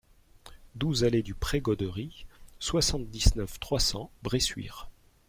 douze allée du Pré Goderie, soixante-dix-neuf, trois cents, Bressuire